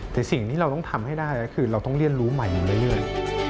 แต่สิ่งที่เราต้องทำให้ได้ก็คือเราต้องเรียนรู้ใหม่อยู่เรื่อย